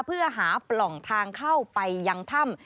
เพื่อหาปล่องทางเข้าไปยังถ้ำ